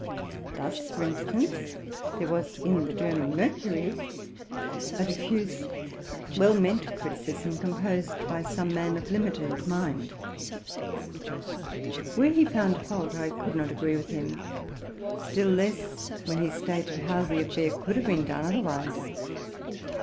Thus, for instance, there was in '* The German Mercury '' a diffuse, well meant criticism, composed by some man of limited mind. Where he found fault, I could not agree with him, — still less when he stated how the affair could have been done otherwise.